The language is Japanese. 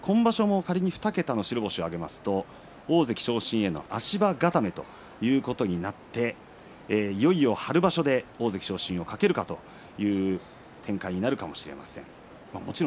この２人が今場所どれだけやるのか、豊昇龍の方は今場所、仮に２桁白星を挙げますと大関昇進への足場固めということになっていよいよ春場所で大関昇進を懸けるかという展開になるかもしれません。